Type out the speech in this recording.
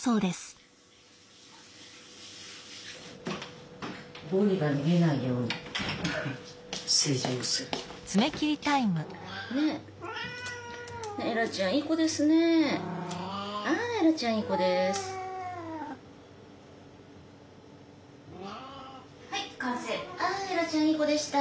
ああエラちゃんいい子でした！